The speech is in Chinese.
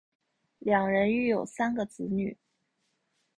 两人育有三个子女。